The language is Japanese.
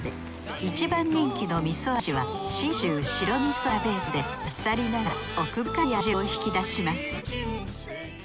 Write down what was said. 一番人気のみそ味は信州白みそがベースであっさりながら奥深い味を引き出します